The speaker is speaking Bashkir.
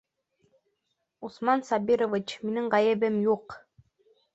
Усман Сабирович, минең ғәйебем юҡ!